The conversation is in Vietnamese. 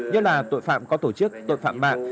nhất là tội phạm có tổ chức tội phạm mạng